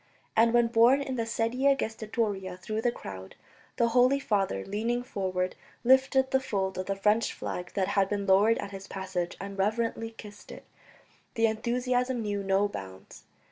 And when, borne in the sedia gestatoria through the crowd, the Holy Father, leaning forward, lifted the fold of the French flag that had been lowered at his passage and reverently kissed it, the enthusiasm knew no bounds.